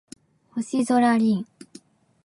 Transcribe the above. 星空凛